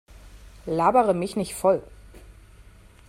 Labere mich nicht voll!